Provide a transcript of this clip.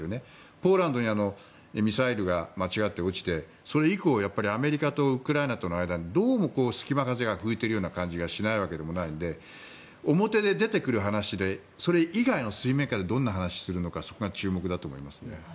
ポーランドにミサイルが間違って落ちてそれ以降アメリカとウクライナとの間にどうも隙間風が吹いているような感じがしないわけでもないので表で出てくる話でそれ以外の水面下でどんな話をするのかそこが注目だと思いますね。